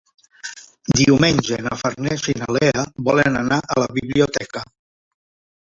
Diumenge na Farners i na Lea volen anar a la biblioteca.